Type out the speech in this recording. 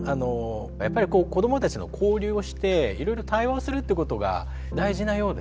やっぱり子どもたちと交流をしていろいろ対話をするってことが大事なようですね。